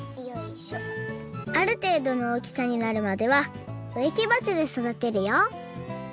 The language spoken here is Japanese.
あるていどのおおきさになるまではうえきばちでそだてるよ